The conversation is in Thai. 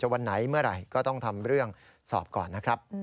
วันไหนเมื่อไหร่ก็ต้องทำเรื่องสอบก่อนนะครับ